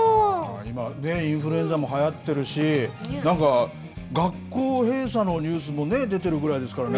今、インフルエンザもはやっているし何か学校閉鎖のニュースも出てるぐらいですからね。